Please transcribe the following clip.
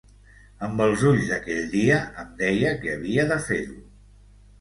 Amb els ulls d’aquell dia em deia que havia de fer-ho.